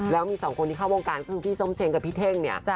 แล้วมีสองคนที่เข้าวงการคือพี่ส้มเชงกับพี่เท่งเนี่ย